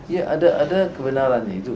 ya ada kebenaran itu